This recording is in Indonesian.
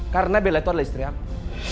karena bella itu adalah istri aku